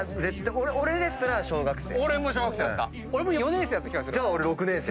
俺ですら小学生。